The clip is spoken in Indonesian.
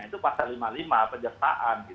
itu pasal lima puluh lima penyertaan